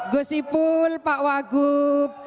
gosi pul pak wagub